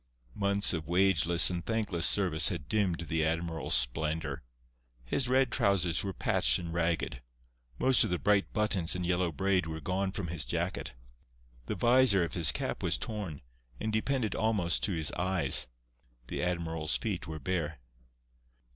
Months of wageless and thankless service had dimmed the admiral's splendour. His red trousers were patched and ragged. Most of the bright buttons and yellow braid were gone from his jacket. The visor of his cap was torn, and depended almost to his eyes. The admiral's feet were bare.